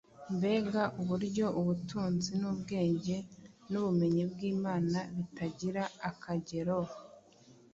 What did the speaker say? Mbega uburyo ubutunzi n’ubwenge n’ubumenyi by’Imana bitagira akagero!